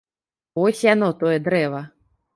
Вось яно, тое дрэва!